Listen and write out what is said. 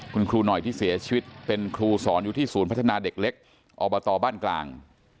คุณครูหน่อยที่เสียชีวิตเป็นครูสอนอยู่ที่ศูนย์พัฒนาเด็กเล็กอบตบ้านกลาง